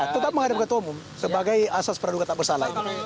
tetap menghadapi ketua umum sebagai asas peradukan tak bersalah